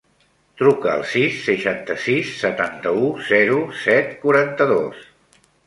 Truca al sis, seixanta-sis, setanta-u, zero, set, quaranta-dos.